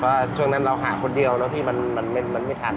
เพราะช่วงนั้นเราหาคนเดียวแล้วพี่มันไม่ทัน